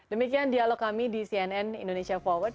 demikian dialog kami di cnn indonesia forward